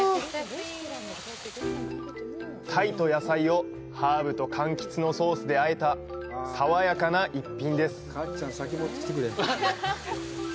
鯛と野菜をハーブとかんきつのソースであえた爽やかな一品です。